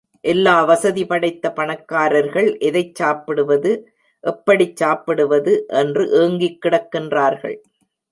எல்லா வசதி படைத்த பணக்காரர்கள் எதைச் சாப்பிடுவது, எப்படி சாப்பிடுவது என்று ஏங்கிக்கிடக்கின்றார்கள்.